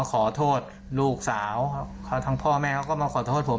ขอโทษลูกสาวครับเขาทั้งพ่อแม่เขาก็มาขอโทษผม